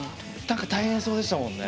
何か大変そうでしたもんね